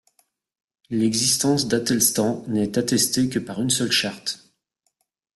L'existence d'Æthelstan n'est attestée que par une seule charte.